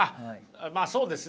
まあそうですね